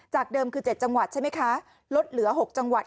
เดิมคือ๗จังหวัดใช่ไหมคะลดเหลือ๖จังหวัด